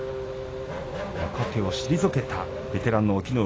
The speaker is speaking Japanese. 若手を退けてベテランの隠岐の海